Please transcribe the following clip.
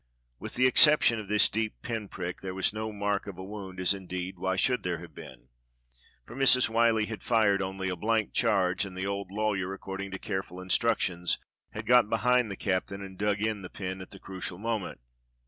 With the excep tion of this deep pin prick, there was no mark of a wound, as indeed why should there have been? for Mrs. "SMiyllie had fired only a blank charge, and the old lawyer, according to careful instructions, had got be hind the captain and dug in the pin at the crucial mo ment.